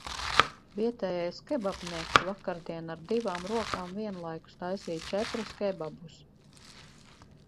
Vietējais kebabnieks vakardien ar divām rokām vienlaikus taisīja četrus kebabus.